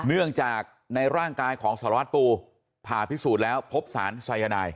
เนื่องจากในร่างกายของสารวัตรปูผ่าพิสูจน์แล้วพบสารสายนาย